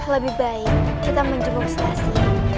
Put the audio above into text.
lebih baik kita menjemput selassie